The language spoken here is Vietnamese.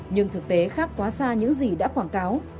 nhưng thực tế khác quá xa những gì đã quảng cáo